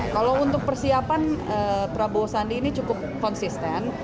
kalau untuk persiapan prabowo sandi ini cukup konsisten